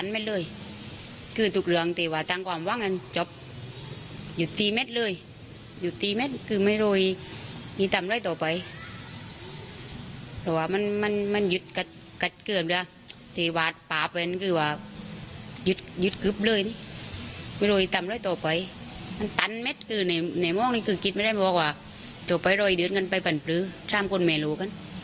ในว่างนี้คือกินไม่ได้บอกว่าตัวไปรอยเดือดกันไปปั่นปรื้อท่ามคนไม่รู้กัน